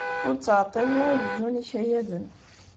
Ur ttɛeṭṭilen ara ad bdun ikayaden.